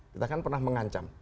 kita kan pernah mengancam